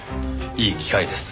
いい機会です。